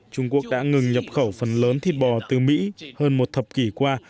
trung quốc đã ngừng nhập khẩu phần lớn thịt bò từ mỹ hơn một thập kỷ qua